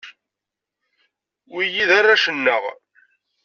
Wiyi d arrac-nneɣ.